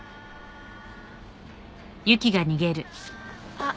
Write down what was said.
あっ。